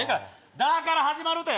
「だ」から始まる歌や！